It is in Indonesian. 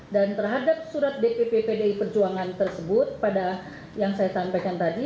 dan terhadap surat dpp pdi perjuangan tersebut pada yang saya sampaikan tadi